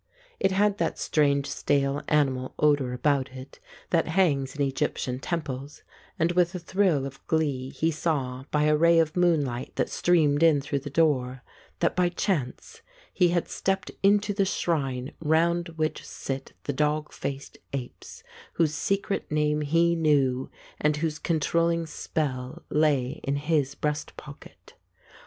It had that strange stale animal odour about it that hangs in Egyptian temples, and with a thrill of glee he saw, by a ray of moonlight that streamed in through the door, that by chance he had stepped into the shrine round which sit the dog faced apes, whose secret name he knew, and whose controlling spell lay in his breast pocket.